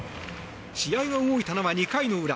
試合が動いたのは２回の裏。